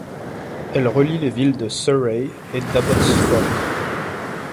Elle relie les villes de Surrey et d'Abbotsford.